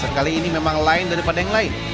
kali ini memang lain daripada yang lain